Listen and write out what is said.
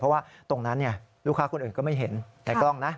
เพราะว่าตรงนั้นลูกค้าคนอื่นก็ไม่เห็นในกล้องนะ